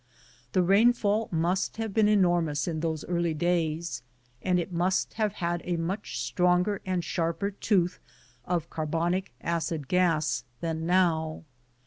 The rainfall must have been enormous in those early days, and it must have had a much stronger and sharper tooth of carbonic acid gas than now.